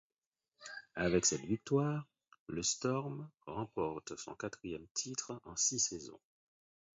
Avec cette victoire, le Storm remporte son quatrième titre en six saisons.